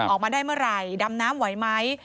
ออกมาได้เมื่อไหร่ดำน้ำไหวไหม